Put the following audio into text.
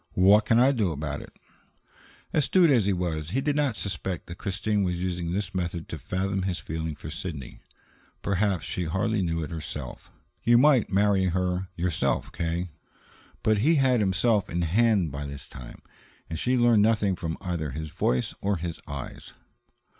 "What can I do about it?" Astute as he was, he did not suspect that Christine was using this method to fathom his feeling for Sidney. Perhaps she hardly knew it herself. "You might marry her yourself, K." But he had himself in hand by this time, and she learned nothing from either his voice or his eyes.